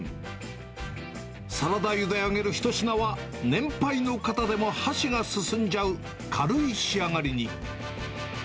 サラダ油で揚げる一品は、年配の方でも箸が進んじゃう軽い仕上がりに。